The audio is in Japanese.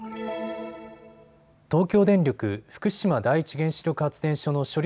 東京電力福島第一原子力発電所の処理